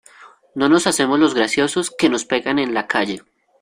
No nos hacemos los graciosos, que nos pegan en la calle.